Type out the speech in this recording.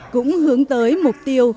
cũng hướng tới mục tiêu